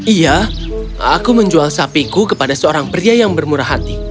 iya aku menjual sapiku kepada seorang pria yang bermurah hati